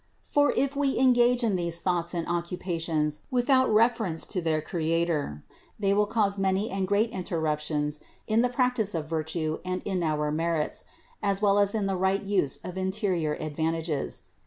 For if we engage in these THE INCARNATION 205 thoughts and occupations without reference to their Cre ator, they will cause many and great interruptions in the practice of virtue and in our merits, as well as in the right use of interior advantages.